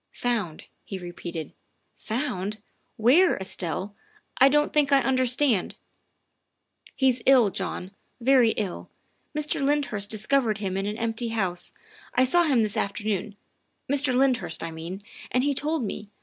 "Found," he repeated, "found? Where, Estelle? I don 't think I understand. ''" He's ill, John very ill. Mr. Lyndhurst discovered him in an empty house. I saw him this afternoon, Mr. Lyndhurst, I mean, and he told me.